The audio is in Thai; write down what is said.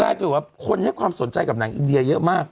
กลายเป็นว่าคนให้ความสนใจกับนางอินเดียเยอะมาก